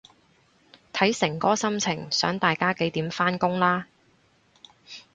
睇誠哥心情想大家幾點返工啦